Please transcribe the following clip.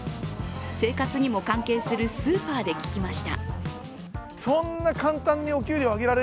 生活にも関係するスーパーで聞きました。